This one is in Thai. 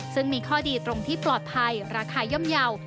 ซึ่งมีข้อดีตรงที่ปลอดภัยราคาย่อมเยาว์